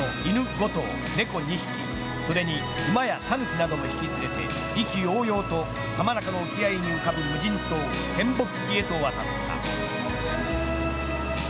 ５頭猫２匹それに馬やタヌキなども引き連れて意気揚々と浜中の沖合に浮かぶ無人島嶮暮帰へと渡った。